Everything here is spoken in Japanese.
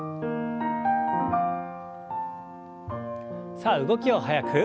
さあ動きを速く。